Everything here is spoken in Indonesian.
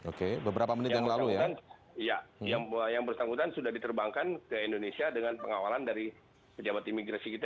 oke beberapa menit yang bersangkutan ya yang bersangkutan sudah diterbangkan ke indonesia dengan pengawalan dari pejabat imigrasi kita